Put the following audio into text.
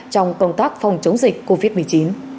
trong công tác phòng chống dịch covid một mươi chín